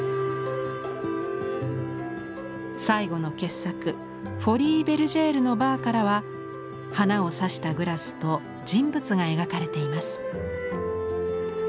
最後の傑作「フォリー＝ベルジェールのバー」からは花を挿したグラスと人物が描かれています。